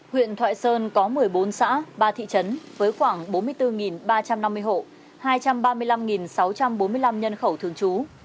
huyện thoại sơn có một mươi bốn xã ba thị trấn với khoảng bốn mươi bốn ba trăm năm mươi hộ hai trăm ba mươi năm sáu trăm bốn mươi năm nhân khẩu thường trú